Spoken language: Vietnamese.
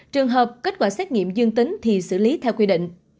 trường hợp kết quả xét nghiệm dương tính thì xử lý theo quy định